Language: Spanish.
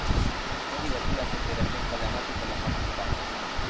Fue divertida su interacción con Lanata y con los participantes.